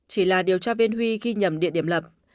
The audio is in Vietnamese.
chỉ là điều tra viên huy ghi nhầm địa điểm lập